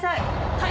はい。